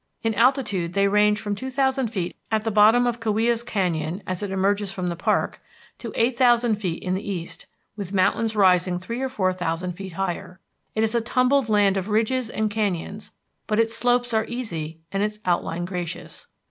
In altitude they range from two thousand feet at the bottom of Kaweah's canyon, as it emerges from the park, to eight thousand feet in the east, with mountains rising three or four thousand feet higher. It is a tumbled land of ridges and canyons, but its slopes are easy and its outline gracious.